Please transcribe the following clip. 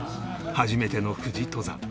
初めての富士登山